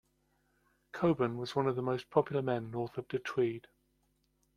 Cockburn was one of the most popular men north of the Tweed.